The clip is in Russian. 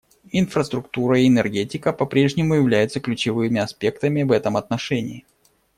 Инфраструктура и энергетика по-прежнему являются ключевыми аспектами в этом отношении.